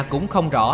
cũng không rõ